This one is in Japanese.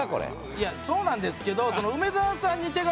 いやそうなんですけど。